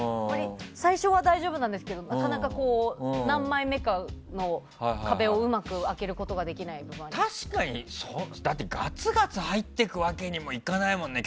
最初は大丈夫なんですけどなかなか、うまく何枚かの壁を開けることが確かにガツガツ入っていくわけにもいかないもんね。